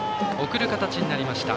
送る形になりました。